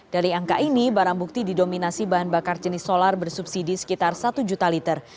dari angka ini barang bukti didominasi bahan bakar jenis solar bersubsidi sekitar satu juta liter